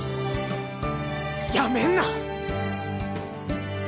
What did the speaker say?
やめんな。